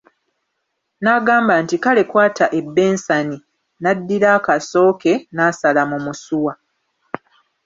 N'agamba nti Kale kwata ebbensani, n'addira akaso ke n'asala mu musuwa.